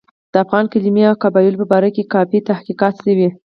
د افغان کلمې او قبایلو په باره کې کافي تحقیقات شوي.